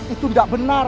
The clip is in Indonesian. itu tidak benar